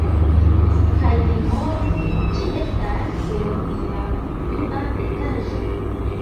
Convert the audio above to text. Kaj memoru, ĝi estas sur la dua etaĝo.